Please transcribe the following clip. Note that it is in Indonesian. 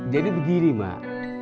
jadi begini mak